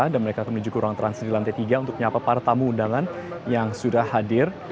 dan mereka akan menuju kurang trans di lantai tiga untuk menyapa para tamu undangan yang sudah hadir